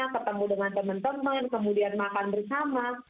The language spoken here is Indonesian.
ketemu dengan teman teman kemudian makan bersama